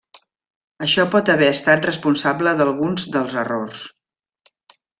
Això pot haver estat responsable d'alguns dels errors.